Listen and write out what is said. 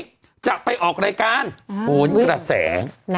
ก็จะไปออกรายการหุ่นกระแส